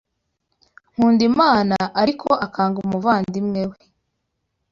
Nkunda Imana ariko akanga umuvandimwe we,